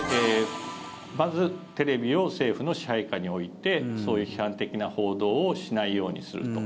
まず、テレビを政府の支配下に置いてそういう批判的な報道をしないようにすると。